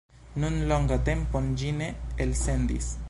Nun longan tempon ĝi ne elsendis.